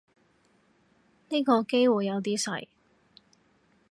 呢個機率有啲細